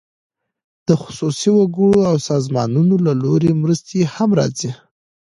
د خصوصي وګړو او سازمانونو له لوري مرستې هم راځي.